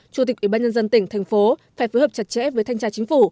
chủ tịch ủy ban nhân dân tỉnh thành phố phải phối hợp chặt chẽ với thanh tra chính phủ